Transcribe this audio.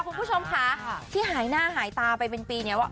คุณผู้ชมค่ะที่หายหน้าหายตาไปเป็นปีเนี่ยว่า